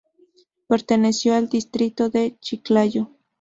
Perteneció al distrito de Chiclayo.